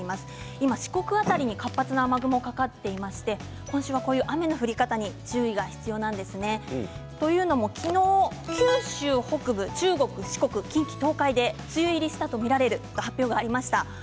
今、四国辺りに活発な雨雲がかかっていまして今週は雨の降り方に注意が必要なんですね。というのも昨日、九州北部中国、四国、近畿、東海で梅雨入りしたと見られると発表がありました。